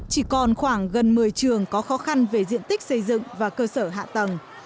chỉ còn khoảng gần một mươi trường có khó khăn về diện tích xây dựng và cơ sở hạ tầng